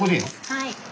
はい。